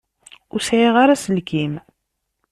Ur sɛiɣ ara aselkim.